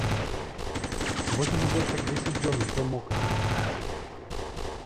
Вось ужо больш як дзесяць дзён усё мокрае ў хаце.